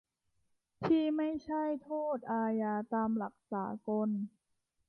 ที่ไม่ใช่โทษอาญาตามหลักสากล